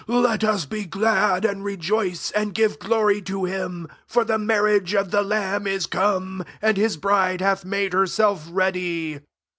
7 Let us be glad and rejoice, and give glory to him : for the marriage of the lamb is come, and his bride hath made herself ready."